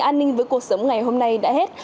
an ninh với cuộc sống ngày hôm nay đã hết